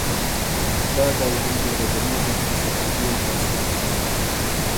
دا ډایري د ورځني ذهني سفر یو لاسوند وي.